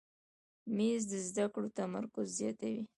مېز د زده کړو تمرکز زیاتوي.